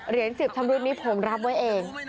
เหรียญสิบชำรุดนี้ผมรับไว้เอง